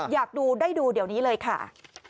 อยากดูได้ดูเดี๋ยวนี้เลยค่ะ